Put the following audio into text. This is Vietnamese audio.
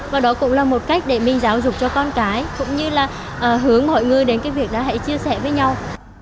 và đó cũng là một cách để mình giáo dục cho con cái cũng như là hướng mọi người đến cái việc là hãy chia sẻ với nhau